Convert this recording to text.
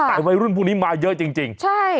แต่วัยรุ่นพวกนี้มาเยอะจริงใช่